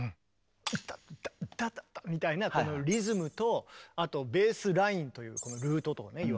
ンダンダンダダダみたいなこのリズムとあとベースラインというルートといわれる